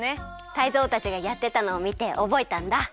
タイゾウたちがやってたのをみておぼえたんだ。